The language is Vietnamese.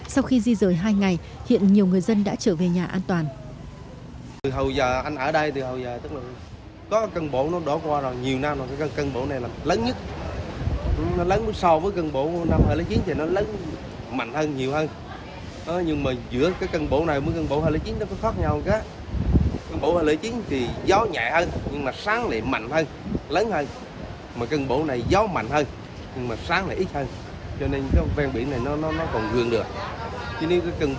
sau khi di rời hai ngày hiện nhiều người dân đã trở về nhà an toàn